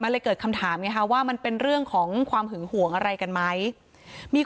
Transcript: ลูกค้าของเขาของมันอยู่แหละค่ะพี่